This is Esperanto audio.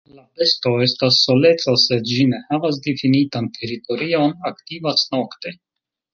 La besto estas soleca, sed ĝi ne havas difinitan teritorion, aktivas nokte.